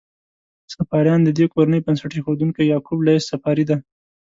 صفاریان: د دې کورنۍ بنسټ ایښودونکی یعقوب لیث صفاري دی.